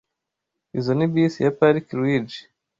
Izoi ni bisi ya Park Ridge?